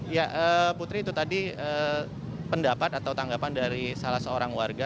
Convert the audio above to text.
ya putri itu tadi pendapat atau tanggapan dari salah seorang warga